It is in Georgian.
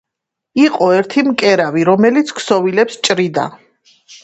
იყო ერთი მკერავი, რომელიც ქსოვილებს ჭრიდა